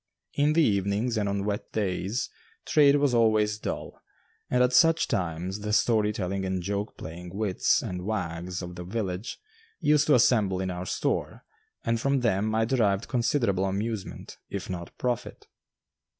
In the evenings and on wet days trade was always dull, and at such times the story telling and joke playing wits and wags of the village used to assemble in our store, and from them I derived considerable amusement, if not profit.